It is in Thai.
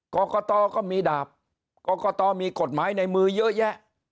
กรกตก็มีดาบกรกตมีกฎหมายในมือเยอะแยะ